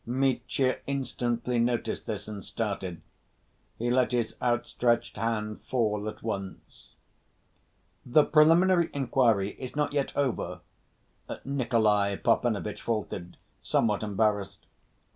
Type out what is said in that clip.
Mitya instantly noticed this, and started. He let his outstretched hand fall at once. "The preliminary inquiry is not yet over," Nikolay Parfenovitch faltered, somewhat embarrassed.